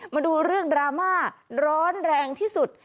มาดูเรื่องดราม่าร้อนแรงที่สุด